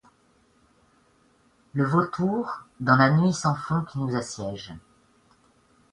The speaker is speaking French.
le vautour, dans la nuit sans fond qui nous assiège